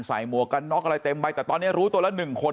หมวกกันน็อกอะไรเต็มใบแต่ตอนนี้รู้ตัวละ๑คน